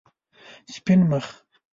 سپین مخ